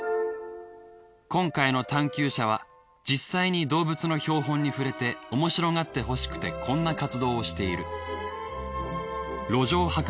今回の探究者は実際に動物の標本に触れておもしろがってほしくてこんな活動をしている。